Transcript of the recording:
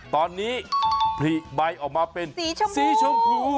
ตอนนี้พี่บ๊าย์เป็นสีชมพู